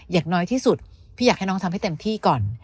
อย่างน้อยที่สุดพี่อยากให้น้องทำให้เต็มที่ก่อน